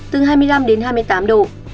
từ hai mươi năm hai mươi tám độ